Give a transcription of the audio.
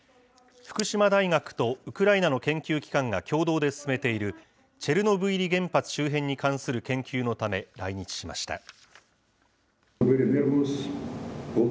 福島大学とウクライナの研究機関が共同で進めているチェルノブイリ原発周辺に関する研究のため、来日しました。